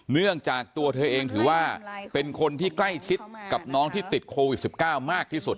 เนื่องจากตัวเธอเองถือว่าเป็นคนที่ใกล้ชิดกับน้องที่ติดโควิด๑๙มากที่สุด